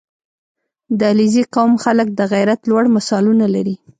• د علیزي قوم خلک د غیرت لوړ مثالونه لري.